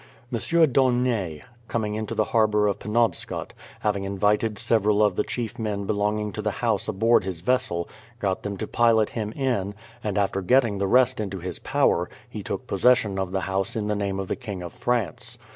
Monsieur d'Aulnay, coming into the harbour of Penobscot, having invited several of tlie chief men be longing to the house aboard his vessel, got them to pilot him in; and after getting the rest into his power, he took possession of the house in the name of the King of France.